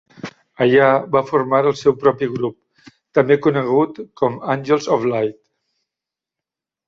Allà va formar el seu propi grup també conegut com Angels of Light.